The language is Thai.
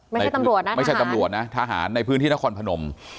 ไม่ใช่ตำรวจนะไม่ใช่ตำรวจนะทหารในพื้นที่นครพนม